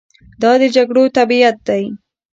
دا د جګړو طبیعت دی.